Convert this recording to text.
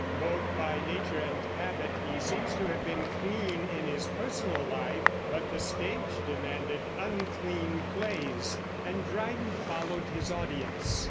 Both by nature and habit he seems to have been clean in his personal life; but the stage demanded unclean plays, and Dryden followed his audience.